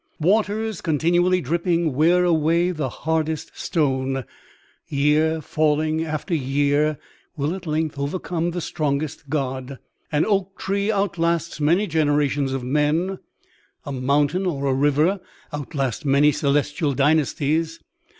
Waters continually dripping wear away the hardest stone; year falling after year will at length overcome the strongest god: an oak tree outlasts many generations of men; a mountain or a river outlasts many celestial dynasties.